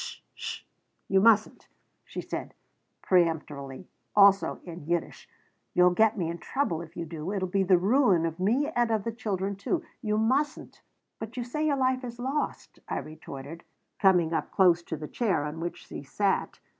"'S sh! You mustn't," she said, peremptorily, also in Yiddish. "You'll get me in trouble if you do. It'll be the ruin of me and of the children, too. You mustn't." "But you say your life is lost," I retorted, coming up close to the chair on which she sat.